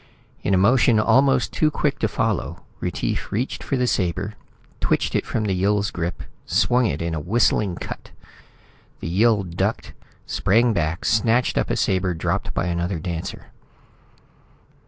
In a motion almost too quick to follow, Retief reached for the sabre, twitched it from the Yill's grip, swung it in a whistling cut. The Yill ducked, sprang back, snatched up a sabre dropped by another dancer.